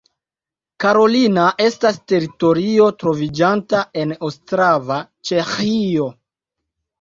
Karolina estas teritorio troviĝanta en Ostrava, Ĉeĥio.